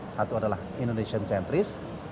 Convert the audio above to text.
satu adalah indonesian centrist